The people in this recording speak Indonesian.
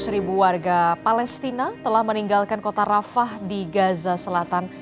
seratus ribu warga palestina telah meninggalkan kota rafah di gaza selatan